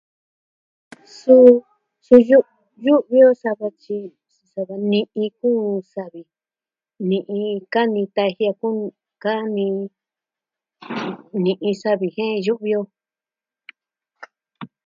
Suu yu'vi o sava tyi... sava tyi ni'in kuun savi. Ni'in kani tajia kuni ka'ni ni'in savi jen yu'vi o.